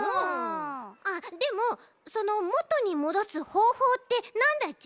あっでもそのもとにもどすほうほうってなんだち？